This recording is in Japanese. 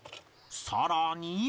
さらに